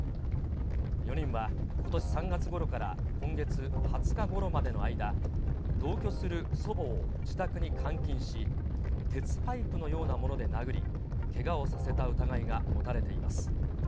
４人はことし３月ごろから今月２０日ごろまでの間、同居する祖母を自宅に監禁し、鉄パイプのようなもので殴り、けがをさせた疑いが持たれています。